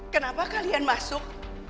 kenapa kalian masuk